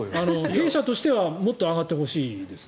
弊社としてはもっと上がってほしいですね。